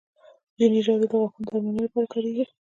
ځینې ژاولې د غاښونو درملنې لپاره کارېږي.